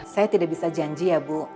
saya tidak bisa janji ya bu